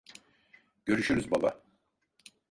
Görüşürüz baba.